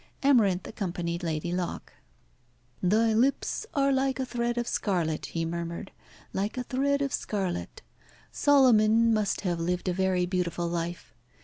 Amarinth accompanied Lady Locke. "Thy lips are like a thread of scarlet," he murmured, "like a thread of scarlet. Solomon must have lived a very beautiful life.